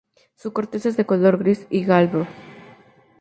Su corteza es de color gris y glabro.